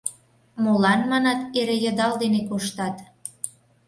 — Молан, манат, эре йыдал дене коштат?